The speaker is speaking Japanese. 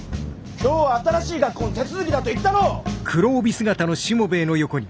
今日は新しい学校の手続きだと言ったろ！